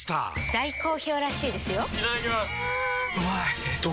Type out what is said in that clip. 大好評らしいですよんうまい！